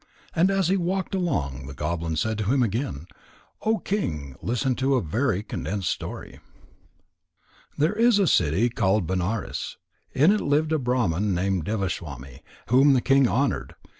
And as he walked along, the goblin said to him again: "O King, listen to a very condensed story." There is a city called Benares. In it lived a Brahman named Devaswami, whom the king honoured.